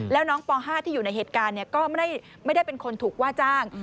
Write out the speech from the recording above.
แล้วน้องป๕ที่อยู่ในเหตุการณ์ก็ไม่ได้เป็นคนถูกว่าจ้าง